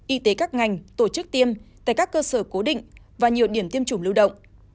y tế các ngành tổ chức tiêm tại các cơ sở cố định và nhiều điểm tiêm chủng lưu động